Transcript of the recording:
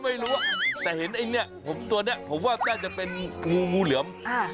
อ๋อผมก็ไม่รู้แต่เห็นไอเนี่ยตัวเนี่ยผมว่าจะเป็นงูเหลือม